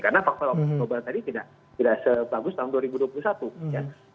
karena faktor global tadi tidak sebagus tahun dua ribu dua puluh satu